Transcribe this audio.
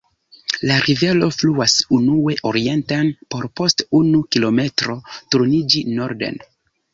La rivero fluas unue orienten por post unu kilometro turniĝi norden.